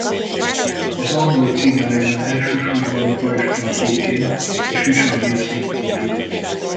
Az angol címerekben elsősorban pajzstartóként és sisakdíszként fordul elő.